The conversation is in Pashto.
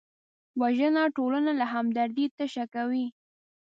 وژنه ټولنه له همدردۍ تشه کوي